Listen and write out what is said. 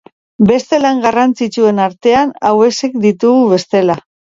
Beste lan garrantzitsuen artean hauexek ditugu bestela.